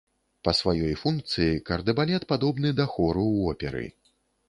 Па сваёй функцыі кардэбалет падобны да хору ў оперы.